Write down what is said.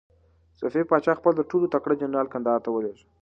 صفوي پاچا خپل تر ټولو تکړه جنرال کندهار ته ولېږه.